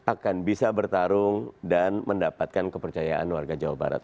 akan bisa bertarung dan mendapatkan kepercayaan warga jawa barat